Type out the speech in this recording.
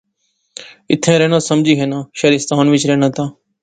ایتھیں رہنا سمجھی ہنا شعرستان وچ رہنا دا